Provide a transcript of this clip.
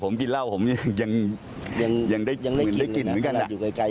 ผมกินเล่าผมยังเหมือนได้กินไหมกระดาษอยู่ไกล